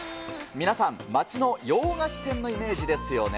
皆さん、街の洋菓子店のイメージですよね。